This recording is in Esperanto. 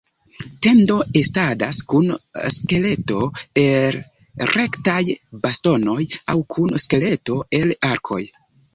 Tendo estadas kun skeleto el rektaj bastonoj aŭ kun skeleto el arkoj.